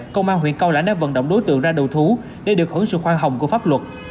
công an huyện cao lãnh đã vận động đối tượng ra đầu thú để được hưởng sự khoan hồng của pháp luật